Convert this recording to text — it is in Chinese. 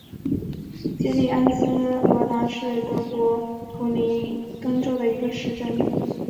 基利安斯罗达是德国图林根州的一个市镇。